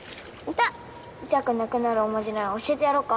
痛くなくなるおまじない教えてやろうか？